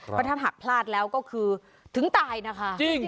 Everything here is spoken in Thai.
เพราะถ้าผลัดร้อยแล้วก็คือถึงตายนะคะจริง